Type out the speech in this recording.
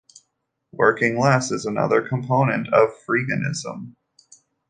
Working less is another component of freeganism.